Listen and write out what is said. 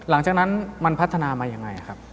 หลังจากนั้นมันพัฒนามายังไงครับ